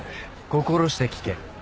心して聞け。